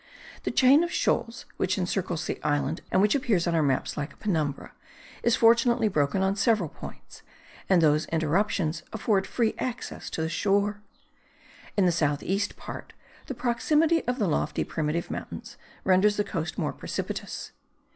The chain of shoals which encircles the island and which appears on our maps like a penumbra, is fortunately broken on several points, and those interruptions afford free access to the shore. In the south east part the proximity of the lofty primitive mountains renders the coast more precipitous.